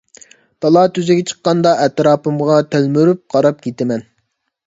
تالا-تۈزگە چىققاندا ئەتراپىمغا تەلمۈرۈپ قاراپ كىتىمەن.